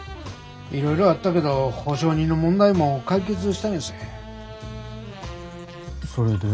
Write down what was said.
いろいろあったけど保証人の問題も解決したんやそうや。